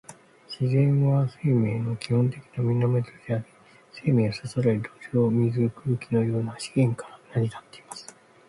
自然は、生命の基本的な源であり、生命を支える土壌、水、空気のような資源から成り立っています。